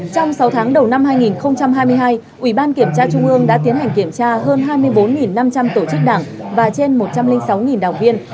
trong sáu tháng đầu năm hai nghìn hai mươi hai ủy ban kiểm tra trung ương đã tiến hành kiểm tra hơn hai mươi bốn năm trăm linh tổ chức đảng và trên một trăm linh sáu đảng viên